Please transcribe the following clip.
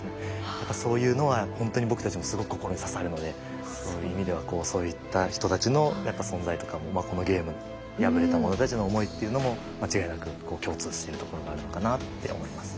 やっぱそういうのはほんとに僕たちもすごく心に刺さるのでそういう意味ではそういった人たちのやっぱ存在とかもまあこのゲームの敗れた者たちの想いっていうのも間違いなく共通してるところがあるのかなって思いますね。